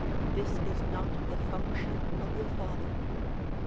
This is not the function of the father.